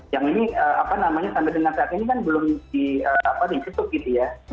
yang ini sampai dengan saat ini kan belum diketuk gitu ya